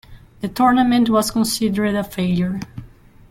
The tournament was considered a failure.